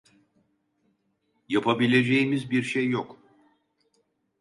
Yapabileceğimiz bir şey yok.